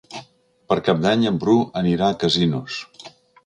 Per Cap d'Any en Bru anirà a Casinos.